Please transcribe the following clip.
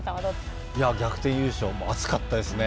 逆転優勝熱かったですね。